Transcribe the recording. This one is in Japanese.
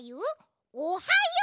おはよう！